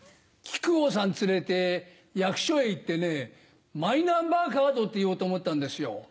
木久扇さん連れて役所へ行ってね「マイナンバーカード」って言おうと思ったんですよ。